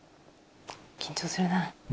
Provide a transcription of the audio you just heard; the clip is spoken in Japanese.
緊張するなぁ。